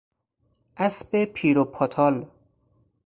اسب پیر و پاتال